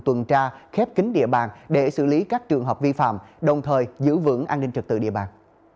tuần tra khép kính địa bàn để xử lý các trường hợp vi phạm đồng thời giữ vững an ninh trật tự địa bàn